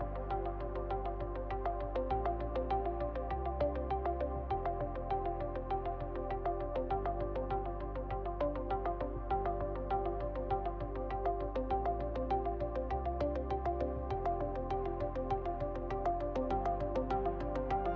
dan kita ulangi proseduran yang disampaikan oleh petugas itu